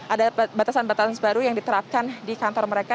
ada batasan batasan baru yang diterapkan di kantor mereka